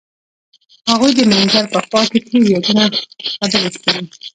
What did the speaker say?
هغوی د منظر په خوا کې تیرو یادونو خبرې کړې.